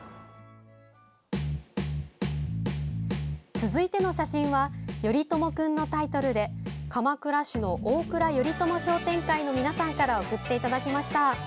続いての、写真はヨリトモくんのタイトルで鎌倉市の大蔵頼朝商店会の皆さんから送っていただきました。